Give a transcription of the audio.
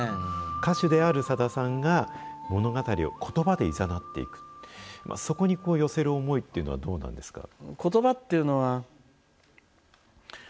歌手であるさださんが、物語をことばでいざなっていく、そこに寄せる思いっていうのはどうなんですか？